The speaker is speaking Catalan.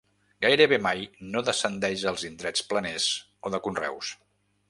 Gairebé mai no descendeix als indrets planers o de conreus.